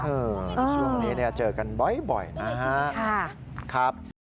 ช่วงนี้เจอกันบ่อยนะครับ